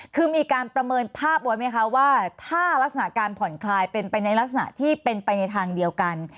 คือมีการประเมินภาพไว้ไหมคะว่าถ้ารักษณะการผ่อนคลายเป็นไปในลักษณะที่เป็นไปในทางเดียวกัน